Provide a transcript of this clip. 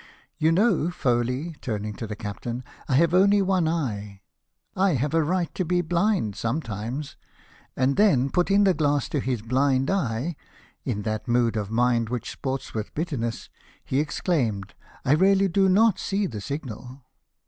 You know, Foley," turning to the captain, "I have only one eye — I have a right to be blind sometimes ;" and then putting the glass to his blind eye, in that BATTLE OF COPENHAGEN, 233 mood of mind which sports with bitterness, he exclaimed, " I really do not see the signal